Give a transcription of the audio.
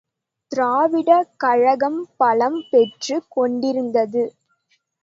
திராவிடக் கழகம் பலம் பெற்று கொண்டிருந்தது.